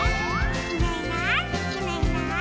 「いないいないいないいない」